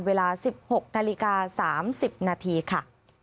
เวลา๑๖นาฬิกา๓๐นาทีค่ะ